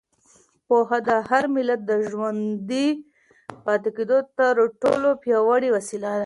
پوهه د هر ملت د ژوندي پاتې کېدو تر ټولو پیاوړې وسیله ده.